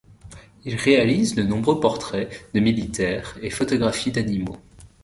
Il réalise de nombreux portraits de militaires, et photographies d'animaux.